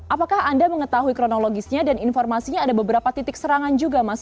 apakah anda mengetahui kronologisnya dan informasinya ada beberapa titik serangan juga mas